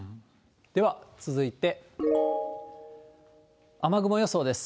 では続いて、雨雲予想です。